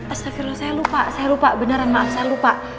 astagfirullah saya lupa